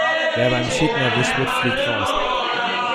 Wer beim Cheaten erwischt wird, fliegt raus.